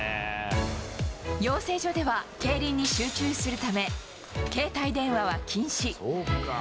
養成所では競輪に集中するため、携帯電話は禁止。